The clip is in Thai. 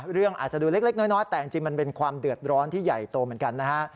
เรื่องอาจจะดูเล็กน้อยแต่จริงมันเป็นความเดือดร้อนที่ใหญ่โตเหมือนกันนะฮะ